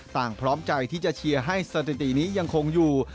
พร้อมใจที่จะเชียร์ให้สถิตินี้ยังคงอยู่